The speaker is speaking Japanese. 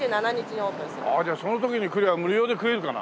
ああじゃあその時に来れば無料で食えるかな。